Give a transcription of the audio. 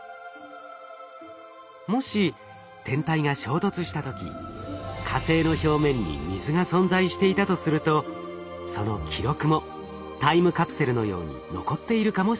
もし天体が衝突した時火星の表面に水が存在していたとするとその記録もタイムカプセルのように残っているかもしれません。